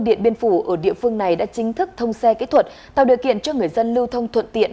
điện biên phủ ở địa phương này đã chính thức thông xe kỹ thuật tạo điều kiện cho người dân lưu thông thuận tiện